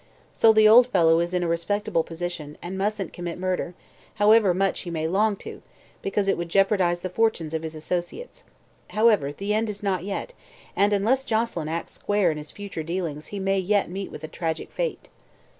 So the old fellow is in a responsible position and mustn't commit murder, however much he may long to, because it would jeopardize the fortunes of his associates. However, the end is not yet, and unless Joselyn acts square in his future dealings he may yet meet with a tragic fate."